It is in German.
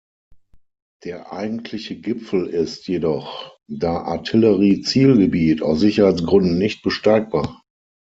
Der eigentliche Gipfel ist jedoch, da Artillerie-Zielgebiet, aus Sicherheitsgründen nicht besteigbar.